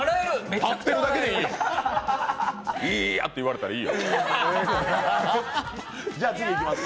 立ってるだけでいいよ、「いや」と言ったらいいよ。